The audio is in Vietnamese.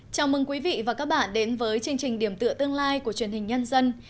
chào mừng quý vị và các bạn đến với chương trình điểm tựa tương lai của truyền hình nhân dân